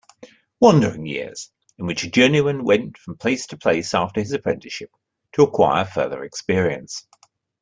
Wandering years, in which a journeyman went from place to place after his apprenticeship, to acquire further experience.